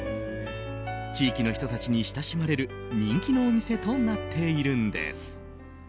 地域の人たちに親しまれる人気のお店となっているんです。